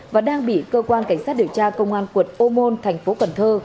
và đang bị cơ quan cảnh sát điều tra công an quận ô môn thành phố cần thơ